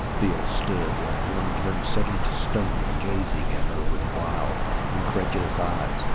Field stood like one turned suddenly to stone, gazing at her with wild, incredulous eyes.